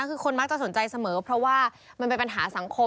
คือคนมักจะสนใจเสมอเพราะว่ามันเป็นปัญหาสังคม